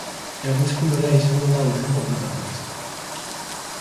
Eguzki-lorea izango da hurrengo protagonista.